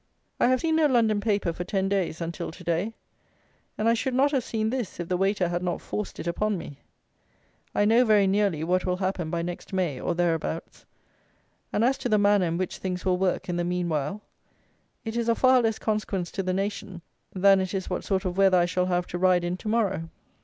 I have seen no London paper for ten days until to day; and I should not have seen this if the waiter had not forced it upon me. I know very nearly what will happen by next May, or thereabouts; and as to the manner in which things will work in the meanwhile, it is of far less consequence to the nation than it is what sort of weather I shall have to ride in to morrow.